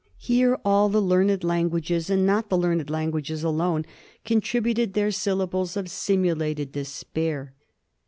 Here all the learned languages, and not the learned languages alone^ contributed their syllables of simulated despair.